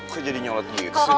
kok jadi nyolot gitu